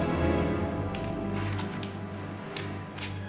aku sudah selesai mencari pintu kamar